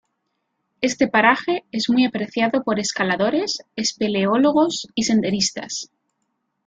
Este paraje es muy apreciado por escaladores, espeleólogos y senderistas.